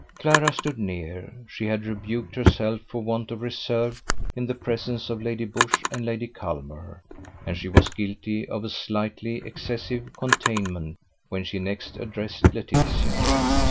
Clara stood near. She had rebuked herself for want of reserve in the presence of Lady Busshe and Lady Culmer, and she was guilty of a slightly excessive containment when she next addressed Laetitia.